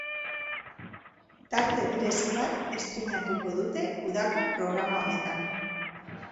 Tarte berezi bat estreinatuko dute udako programa honetan.